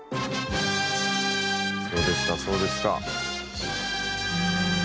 そうでしたそうでした。